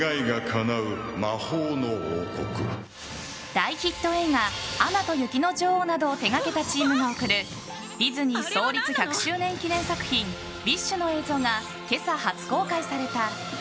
大ヒット映画「アナと雪の女王」などを手掛けたチームが送るディズニー創立１００周年記念作品「ウィッシュ」の映像が今朝、初公開された。